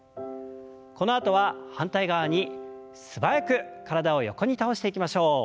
このあとは反対側に素早く体を横に倒していきましょう。